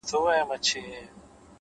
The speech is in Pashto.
هره هڅه د راتلونکي بڼه جوړوي’